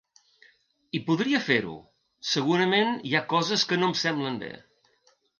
I podria fer-ho, segurament hi ha coses que no em semblen bé.